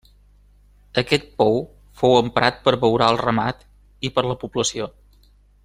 Aquest pou fou emprat per abeurar el ramat i per a la població.